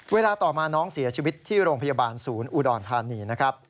เวลาต่อมาน้องเสียชีวิตที่โรงพยาบาลศูนย์อุดรธานีนะครับ